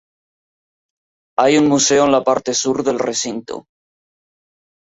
Hay un museo en la parte sur del recinto.